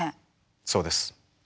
そうです。